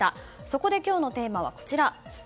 そこで今日のテーマはこちら。